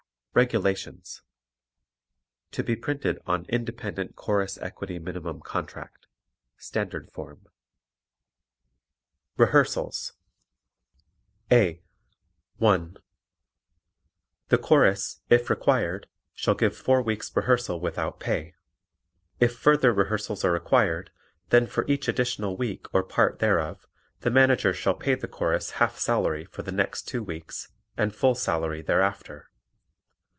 REGULATIONS (To be printed on Chorus Equity Minimum Contracts, Standard Form) Rehearsals A. (1) The Chorus, if required, shall give four weeks' rehearsal without pay; if further rehearsals are required then for each additional week or part thereof the Manager shall pay the Chorus half salary for the next two weeks and full salary thereafter.